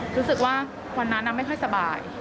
รู้สึกว่าวันนั้นไม่ค่อยสบาย